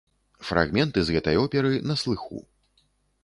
Фрагменты з гэтай оперы на слыху.